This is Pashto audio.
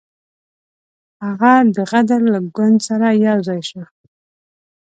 هغه د غدر له ګوند سره یو ځای شو.